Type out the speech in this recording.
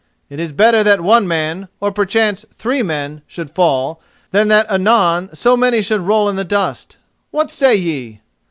It is better that one man, or perchance three men, should fall, than that anon so many should roll in the dust. What say ye?"